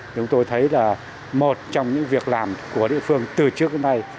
chúng tôi thấy là một trong những việc làm của địa phương từ trước đến nay